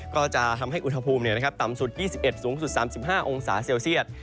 ก็จะทำให้อุณหภูมิต่ำสุด๒๑สูงสุด๓๕องศาเซลเซียต